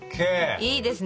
いいですね。